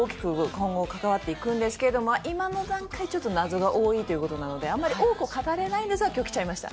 今後、関わっていくんですけども、今の段階、ちょっと謎が多いということなので、あんまり多くを語れないんですが、きょう、来ちゃいました。